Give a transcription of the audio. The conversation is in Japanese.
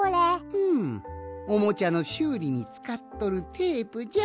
うんおもちゃのしゅうりにつかっとるテープじゃ。